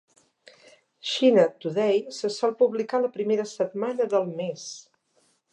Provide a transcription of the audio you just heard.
"China Today" se sol publicar la primera setmana del mes.